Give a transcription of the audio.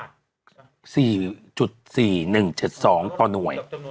ตกจำนวนหน่วย